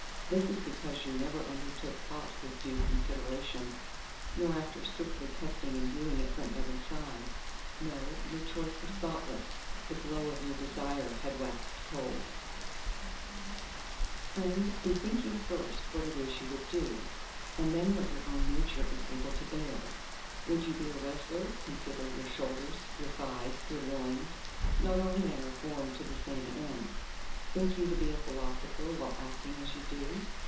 This is because you never undertook aught with due consideration, nor after strictly testing and viewing it from every side; no, your choice was thoughtless; the glow of your desire had waxed cold .... Friend, bethink you first what it is you would do, and then what your own nature is able to bear. Would you be a wrestler, consider your shoulders, your thighs, your loins—not all men are formed to the same end. Think you to be a philosopher while acting as you do?